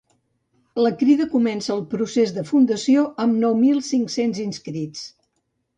La Crida comença el procés de fundació amb nou mil cinc-cents inscrits.